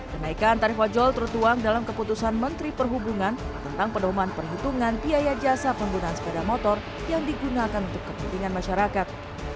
kenaikan tarif ojol tertuang dalam keputusan menteri perhubungan tentang pedoman perhitungan biaya jasa penggunaan sepeda motor yang digunakan untuk kepentingan masyarakat